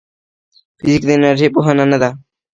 فزیک د انرژۍ پوهنه ده